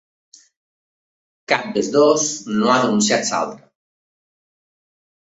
Cap dels dos no ha denunciat l’altre.